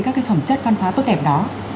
các cái phẩm chất văn hóa tốt đẹp đó